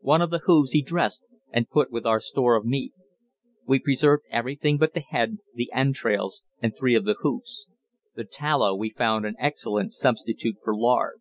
One of the hoofs he dressed and put with our store of meat. We preserved everything but the head, the entrails and three of the hoofs. The tallow we found an excellent substitute for lard.